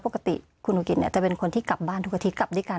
ปกติคุณลูกจะเป็นคนที่กลับบ้านทุกวันที่กลับด้วยกัน